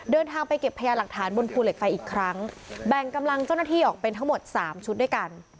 เดินทางไปเก็บพยาหลักฐานบนภูเหล็กไฟอีกครั้งแบ่งกำลังเจ้าหน้าที่ออกเป็นทั้งหมดสามชุดด้วยกัน